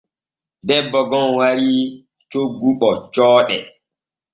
Debbo gom warii coggu ɓoccooɗe.